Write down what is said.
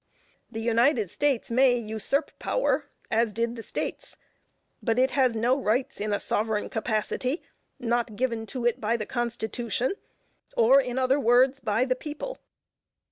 The United States may usurp power, as did the States, but it has no rights in a sovereign capacity, not given it by the Constitution, or in other words, BY THE PEOPLE.